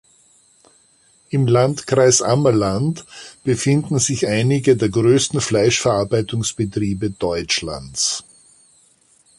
Im Landkreis Ammerland befinden sich einige der größten Fleischverarbeitungsbetriebe Deutschlands.